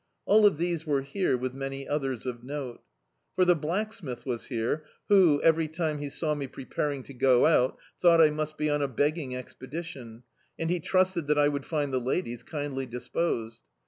All of these were here, with many others of note. For the "Blacksmith" was here, who, every time he saw me preparing to go out, thought I must be on a beting expedition, and he trusted that I would find the ladies kindly disposed.